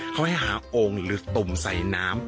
เขาให้หาโอ่งหรือตุ่มใส่น้ำ